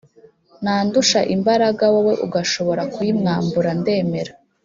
nandusha imbaraga wowe ugashobora kuyimwambura, ndemera